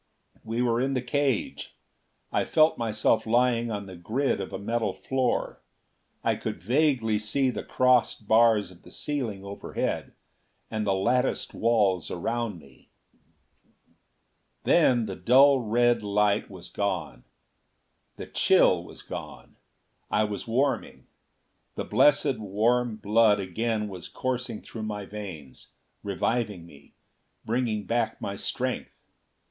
We were in the cage. I felt myself lying on the grid of a metal floor. I could vaguely see the crossed bars of the ceiling overhead, and the latticed walls around me.... Then the dull red light was gone. The chill was gone. I was warming. The blessed warm blood again was coursing through my veins, reviving me, bringing back my strength.